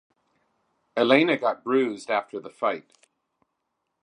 Elena got bruised after the fight.